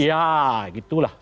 ya gitu lah